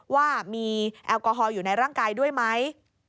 ว่ามีแอลกอฮอลอยู่ในร่างกายด้วยไหม